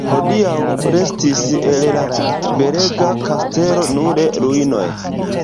Hodiaŭ restis el la belega kastelo nur ruinoj.